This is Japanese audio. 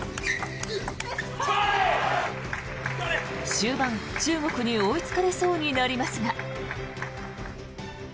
終盤、中国に追いつかれそうになりますが。